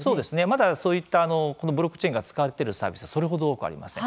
まだそういったこのブロックチェーンが使われているサービスはそれ程、多くはありません。